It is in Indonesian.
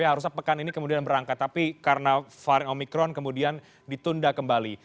harusnya pekan ini kemudian berangkat tapi karena varian omikron kemudian ditunda kembali